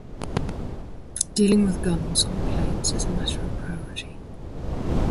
Dealing with guns on planes is matter of priority.